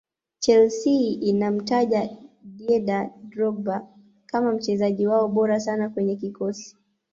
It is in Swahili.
chelsea inamtaja didier drogba kama mchezaji wao bora sana kwenye kikosi